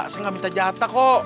saya nggak minta jatah kok